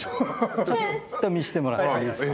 ちょっと見せてもらっていいですか？